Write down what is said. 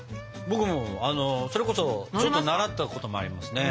僕もあのそれこそちょっと習ったこともありますね。